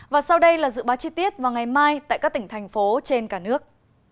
và sau đây là dự báo chi tiết vào ngày mai tại các tỉnh thành phố trên cả nước